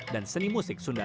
dan seni musik sunda